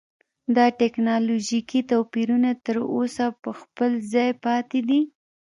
دا ټکنالوژیکي توپیرونه تر اوسه په خپل ځای پاتې دي.